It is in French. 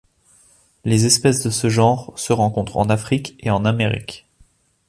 Les espèces de ce genre se rencontrent en Afrique et en Amérique.